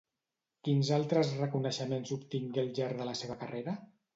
Quins altres reconeixements obtingué al llarg de la seva carrera?